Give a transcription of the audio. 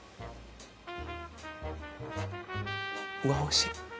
うわおいしい！